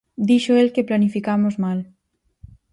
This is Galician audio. Dixo el que planificamos mal.